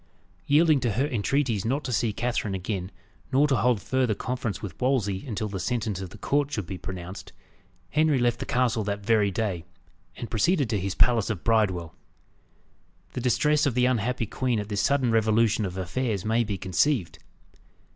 Yielding to her entreaties not to see Catherine again, nor to hold further conference with Wolsey until the sentence of the court should be pronounced, Henry left the castle that very day, and proceeded to his palace of Bridewell. The distress of the unhappy queen at this sudden revolution of affairs may be conceived.